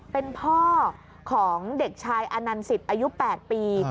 เป็นพ่อของเด็กชายอนันสิตอายุ๘ปี